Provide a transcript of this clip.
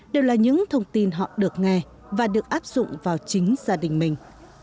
đều là những thông tin họ được nghe và được áp dụng vào chính gia đình mình